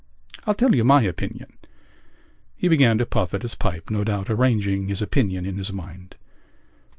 I'll tell you my opinion...." He began to puff at his pipe, no doubt arranging his opinion in his mind.